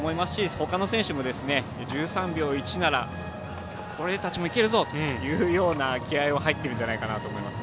ほかの選手も１３秒１なら俺たちもいけるぞというような気合いも入ってるんじゃないかなと思います。